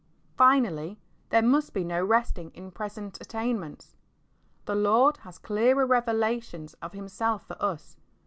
Finally.^ there must he no resting in preserit attamments. The Lord has clearer revelations of Himself for us.